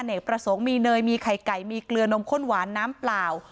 ประสงค์มีเนยมีไข่ไก่มีเกลือนมข้นหวานน้ำเปล่า